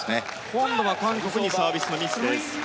今度は韓国にサービスのミスです。